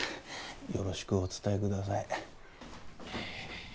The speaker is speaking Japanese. よろしくお伝えください